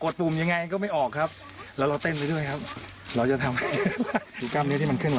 และเด่นไปบ้าง